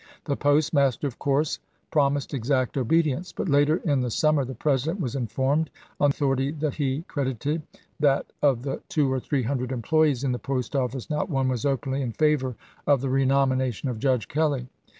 The postmaster, of course, promised exact obedi ence ; but later in the summer the President was informed, on authority that he credited, that of the two or three hundred employees in the post office not one was openly in favor of the renomination of Judge Kelley.